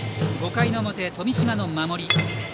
５回の表、富島の守り。